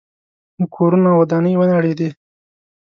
کورونه او ودانۍ ونړېدې.